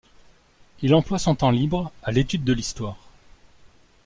Il emploie son temps libre à l'étude de l'histoire.